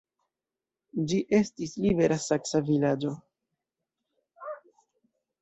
Ĝi estis libera saksa vilaĝo.